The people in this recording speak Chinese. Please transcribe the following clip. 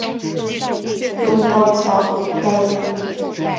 用稻草盖著